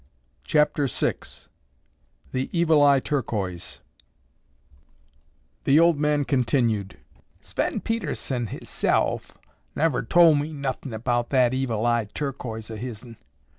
CHAPTER VI THE EVIL EYE TURQUOISE The old man continued: "Sven Pedersen hisself never tol' me nothin' about that Evil Eye Turquoise o' his'n.